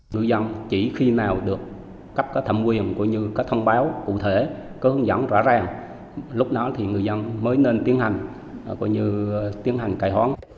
người dân chỉ khi nào được cấp thẩm quyền có thông báo cụ thể có hướng dẫn rõ ràng lúc đó thì người dân mới nên tiến hành cải hoán